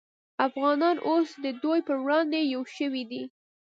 افغانان اوس د دوی پر وړاندې یو شوي دي